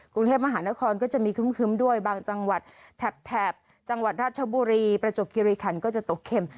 กรุงเทพมหานครก็จะมีครึ้มด้วยบางจังหวัดแถบจังหวัดราชบุรีประจบคิริขันก็จะตกเข็ม